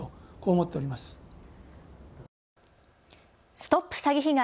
ＳＴＯＰ詐欺被害！